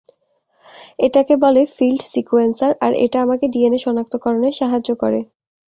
এটাকে বলে field sequencer, আর এটা আমাকে ডিএনএ সনাক্তকরণে সাহায্য করে।